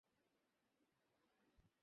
কিন্তু এই মেয়েটির মাথার উপর পাখি উড়ছে কেন?